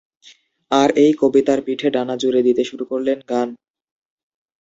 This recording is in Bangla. আর এই কবিতার পিঠে ডানা জুড়ে দিতে শুরু করলেন গান।